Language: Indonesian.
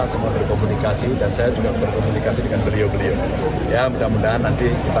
semua berkomunikasi dan saya juga berkomunikasi dengan beliau beliau ya mudah mudahan nanti kita